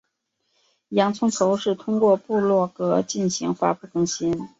洋葱头是通过部落格进行发布更新。